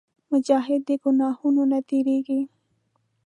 مجاهد د ګناهونو نه تېرېږي.